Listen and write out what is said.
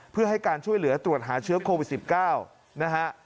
เพื่อให้การช่วยเหลือตรวจหาเชื้อโควิด๑๙นะฮะ